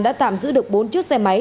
đã tạm giữ được bốn chiếc xe máy